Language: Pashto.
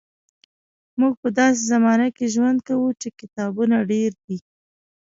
موږ په داسې زمانه کې ژوند کوو چې کتابونه ډېر دي.